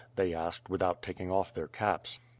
'' they asked, without taking off their caps.